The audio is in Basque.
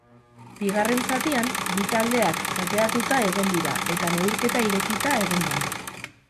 Bigarren zatian, bi taldeak kateatuta egon dira eta neurketa irekita egon da.